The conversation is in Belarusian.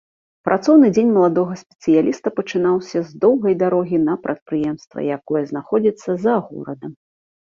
Працоўны дзень маладога спецыяліста пачынаўся з доўгай дарогі на прадпрыемства, якое знаходзіцца за горадам.